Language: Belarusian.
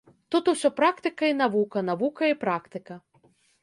Тут усё практыка і навука, навука і практыка.